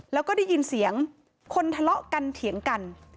แล้วก็ได้ยินเสียงคนทะเลาะกันเถียงกัน